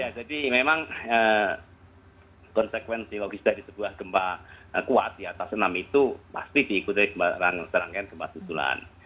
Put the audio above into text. ya jadi memang konsekuensi logis dari sebuah gempa kuat di atas enam itu pasti diikuti serangkaian gempa susulan